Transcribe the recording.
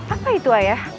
apa itu ayah